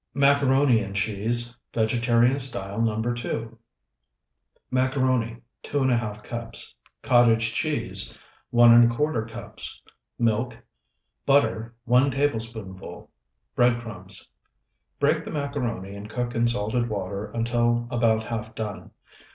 MACARONI AND CHEESE (VEGETARIAN STYLE NO. 2) Macaroni, 2½ cups. Cottage cheese, 1¼ cups. Milk. Butter, 1 tablespoonful. Bread crumbs. Break the macaroni and cook in salted water until about half done.